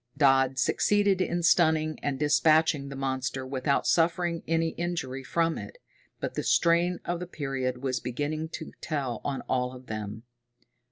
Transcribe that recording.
Dodd succeeded in stunning and dispatching the monster without suffering any injury from it, but the strain of the period was beginning to tell on all of them.